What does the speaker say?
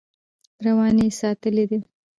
رواني یې ساتلې ده.